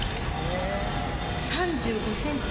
３５ｃｍ。